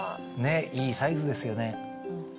いいサイズですよね。